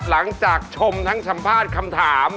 หลังจากชมทั้งสัมภาษณ์คำถาม